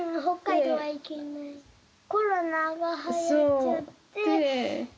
コロナがはやっちゃって。